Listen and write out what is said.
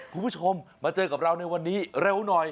คุณผู้ชมมาเจอกับเราในวันนี้เร็วหน่อย